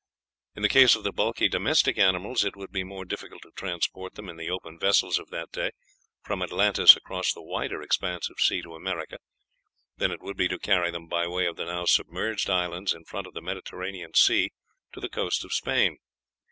In the case of the bulky domestic animals, it would be more difficult to transport them, in the open vessels of that day, from Atlantis across the wider expanse of sea to America, than it would be to carry them by way of the now submerged islands in front of the Mediterranean Sea to the coast of Spain.